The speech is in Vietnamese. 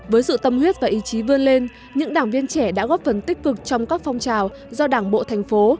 với sự tâm huyết và ý chí vươn lên những đảng viên trẻ đã góp phần tích cực trong các phong trào do đảng bộ thành phố